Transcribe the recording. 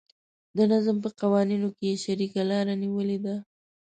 د نظم په قوانینو کې یې شریکه لاره نیولې ده.